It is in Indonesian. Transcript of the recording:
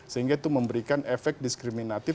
sehingga itu memberikan efek diskriminatif